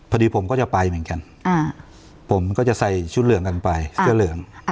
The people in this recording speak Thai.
ผมก็จะไปเหมือนกันผมก็จะใส่ชุดเหลืองกันไปเสื้อเหลือง